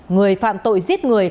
người phạm tội giết người